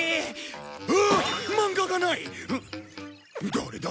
誰だ？